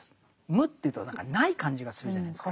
無というと何かない感じがするじゃないですか。